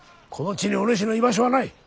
この地におぬしの居場所はない。